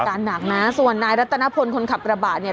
หนักนะส่วนนายรัตนพลคนขับกระบะเนี่ย